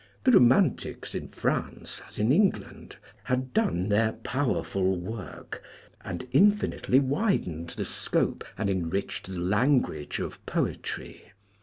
The Romantics in France, as in England, had done their powerful work, and infinitely widened the scope and enriched the language of poetry.